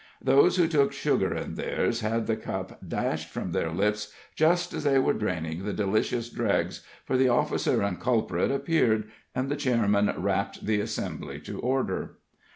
Those who took sugar in theirs had the cup dashed from their lips just as they were draining the delicious dregs, for the officer and culprit appeared, and the chairman rapped the assembly to order.